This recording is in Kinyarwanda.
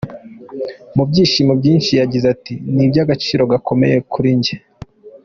Mu byishimo byinshi yagize ati ‘‘ Ni iby’agaciro gakomeye kuri njye.